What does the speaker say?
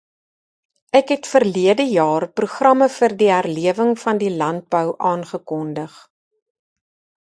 Ek het verlede jaar programme vir die herlewing van die landbou aangekondig.